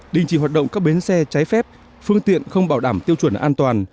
đình chỉ hoạt động các bến xe trái phép phương tiện không bảo đảm tiêu chuẩn an toàn